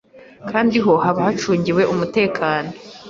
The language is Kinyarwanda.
kandi ho haba hacungiwe umutekano.